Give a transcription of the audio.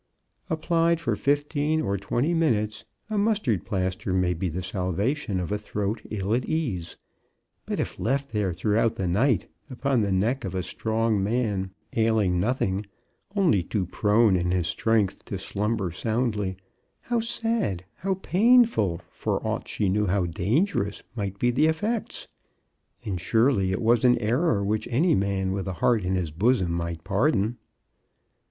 Ap plied for fifteen or twenty minutes, a mustard plaster may be the salvation of a throat ill at ease; but if left there throughout the night, upon the neck of a strong man, ailing nothing, only too prone in his strength to slumber soundly, how sad, how painful, for aught she knew how dangerous, might be the effects ! And surely it was an error which any man with a heart in his bosom might pardon